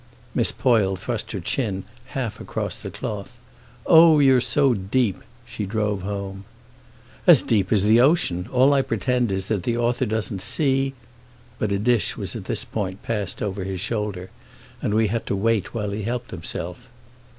Miss Poyle thrust her chin half across the cloth. "Oh, you're so deep!" she drove home. "As deep as the ocean! All I pretend is that the author doesn't see—" But a dish was at this point passed over his shoulder, and we had to wait while he helped himself.